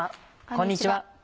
こんにちは。